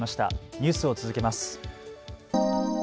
ニュースを続けます。